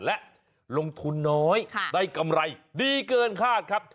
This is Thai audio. และลงทุนน้อยได้กำไรดีเกินคาดครับ